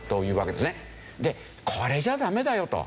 でこれじゃダメだよと。